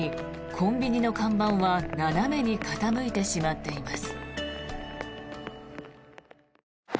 コンビニの看板は斜めに傾いてしまっています。